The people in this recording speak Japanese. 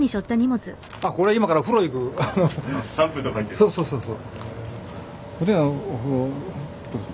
そうそうそうそう。